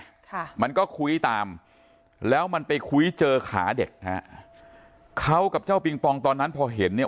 ค่ะมันก็คุยตามแล้วมันไปคุยเจอขาเด็กฮะเขากับเจ้าปิงปองตอนนั้นพอเห็นเนี่ย